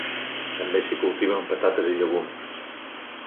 També s'hi cultiven patates i llegums.